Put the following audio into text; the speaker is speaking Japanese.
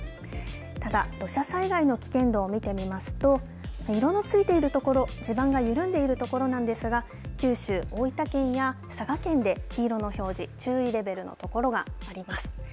ただ、土砂災害の危険度を見てみますと色のついているところ地盤が緩んでいるところなんですが九州、大分県や佐賀県で黄色の表示、注意レベルのところがあります。